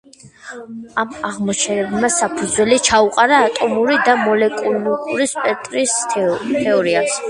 ამ აღმოჩენებმა საფუძველი ჩაუყარა ატომური და მოლეკულური სპექტრის თეორიას.